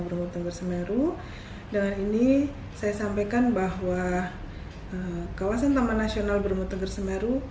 bermutengger semeru dengan ini saya sampaikan bahwa kawasan taman nasional bermutengger semeru